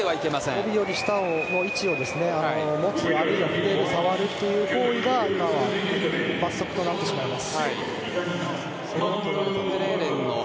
帯より下の位置を持つあるいは触れる、触るという行為は今は、罰則となってしまいます。